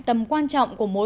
tầm quan trọng của mọi người